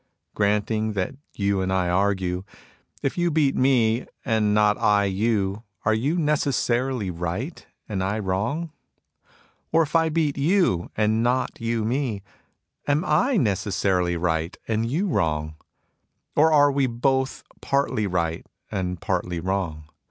Granting that you and I argue. If you beat me, and not I you, are you necessarily right and I wrong ? Or if I beat you and not you me, am I necessarily right and you wrong ? Or are we both partly right and partly wrong